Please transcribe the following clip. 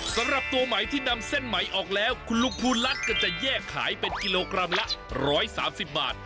สำหรับตัวใหม่ที่นำเส้นไหมออกแล้วคุณลูกภูรัฐก็จะแยกขายเป็นกิโลกรัมละ๑๓๐บาท